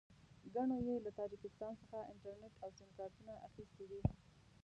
ګڼو یې له تاجکستان څخه انټرنېټ او سیم کارټونه اخیستي دي.